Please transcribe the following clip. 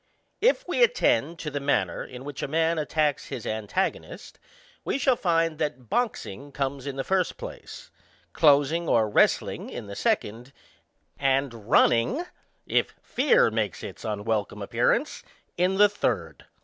If we attend to the manner in which a. man attacks his antagonist, we shall find that boxing comes in the first place ; closing or wrest ling in the second; and runningy if fear makes its unwelcome appearance, in the third.